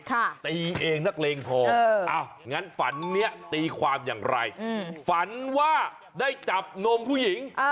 ตีเองนักเลงพออ้าวงั้นฝันเนี้ยตีความอย่างไรฝันว่าได้จับนมผู้หญิง